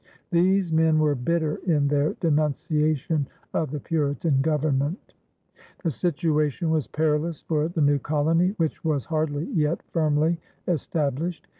These men were bitter in their denunciation of the Puritan government. The situation was perilous for the new colony, which was hardly yet firmly established.